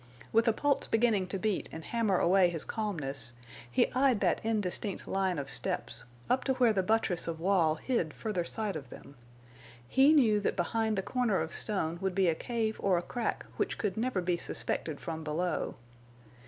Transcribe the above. With a pulse beginning to beat and hammer away his calmness, he eyed that indistinct line of steps, up to where the buttress of wall hid further sight of them. He knew that behind the corner of stone would be a cave or a crack which could never be suspected from below.